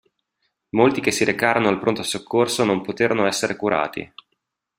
Molti che si recarono al pronto soccorso non poterono essere curati.